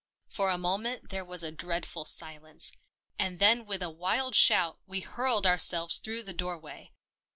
For a moment there was a dread ful silence, and then with a wild shout we hurled ourselves through the doorway.